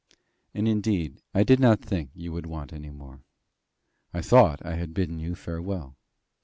And, indeed, I did not think you would want any more. I thought I had bidden you farewell.